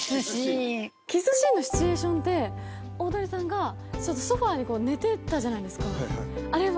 キスシーンのシチュエーションって、大谷さんがソファーに寝てたじゃないですか、あれは？